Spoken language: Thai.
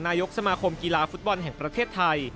นายกสมาคมกีฬาฟุตบอลแห่งประเทศไทย